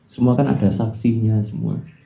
semua kan ada saksinya semua